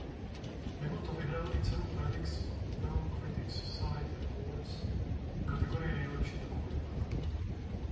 Mimo to vyhrál i cenu Phoenix Film Critics Society Awards v kategorii "Nejlepší dokument".